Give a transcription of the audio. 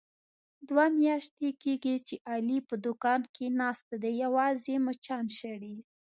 دوه میاشتې کېږي، چې علي په دوکان کې ناست دی یوازې مچان شړي.